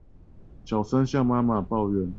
小聲向媽媽抱怨